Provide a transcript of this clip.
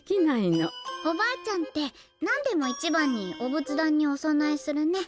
おばあちゃんってなんでもいちばんにおぶつだんにお供えするね。